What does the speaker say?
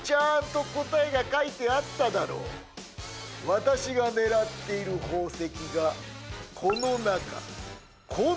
私が狙っている宝石がコノナカ「コの中」。